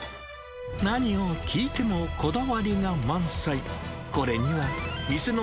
何を聞いてもこだわりが満載。